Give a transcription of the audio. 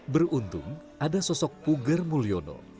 beruntung ada sosok puger mulyono